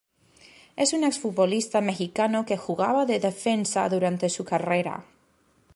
Es un exfutbolista mexicano que jugaba de defensa durante su carrera.